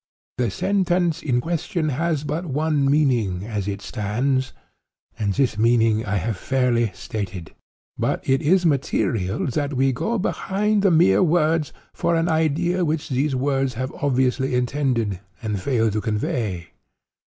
The sentence in question has but one meaning, as it stands; and this meaning I have fairly stated; but it is material that we go behind the mere words, for an idea which these words have obviously intended, and failed to convey.